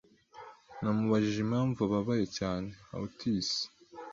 Namubajije impamvu ababaye cyane. (Hautis)